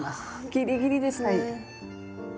ギリギリですね。